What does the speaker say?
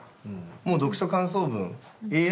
もう読書感想文ＡＩ